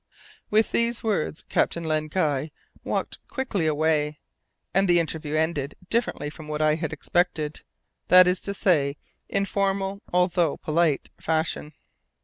With these words Captain Len Guy walked quickly away, and the interview ended differently from what I had expected, that is to say in formal, although polite, fashion.